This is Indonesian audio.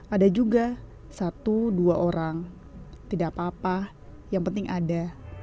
ada juga satu dua orang tidak apa apa yang penting ada